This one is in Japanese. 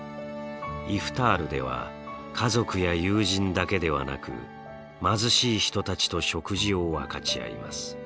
イフタールでは家族や友人だけではなく貧しい人たちと食事を分かち合います。